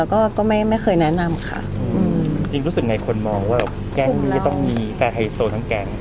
แล้วก็ก็ไม่ไม่เคยแนะนำค่ะอืมจริงรู้สึกไงคนมองว่าแก๊งนี้ต้องมีแต่ไฮโซทั้งแกง